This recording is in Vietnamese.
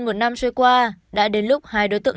một năm trôi qua đã đến lúc hai đối tượng